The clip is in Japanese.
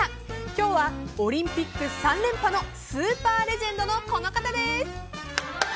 今日はオリンピック３連覇のスーパーレジェンドのこの方です。